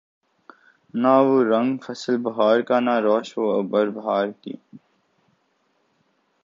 نہ وہ رنگ فصل بہار کا نہ روش وہ ابر بہار کی